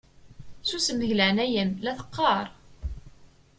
Susem deg leɛnaya-m la teqqaṛ!